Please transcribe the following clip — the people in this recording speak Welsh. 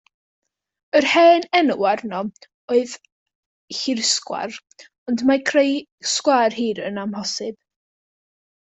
Yr hen enw arno oedd hirsgwar, ond mae creu sgwâr hir yn amhosib!